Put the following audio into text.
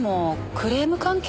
クレーム関係？